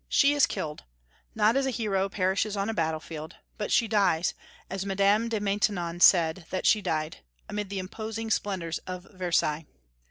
She is killed, not as a hero perishes on a battle field; but she dies, as Madame de Maintenon said that she died, amid the imposing splendors of Versailles.